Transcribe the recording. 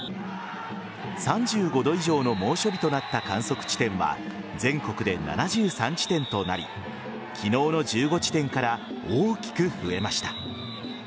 ３５度以上の猛暑日となった観測地点は全国で７３地点となり昨日の１５地点から大きく増えました。